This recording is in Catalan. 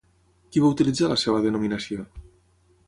Qui va utilitzar la seva denominació?